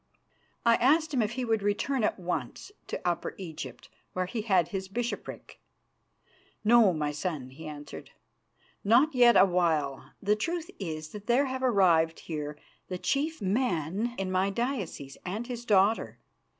I asked him if he would return at once to Upper Egypt, where he had his bishopric. "No, my son," he answered, "not yet awhile. The truth is that there have arrived here the chief man in my diocese, and his daughter.